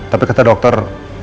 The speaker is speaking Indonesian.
tapi kata dokter